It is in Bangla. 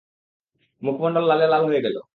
মুখমণ্ডল লালে লাল হয়ে গেল।